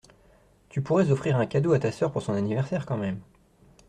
Tu pourrais offrir un cadeau à ta sœur pour son anniversaire quand même.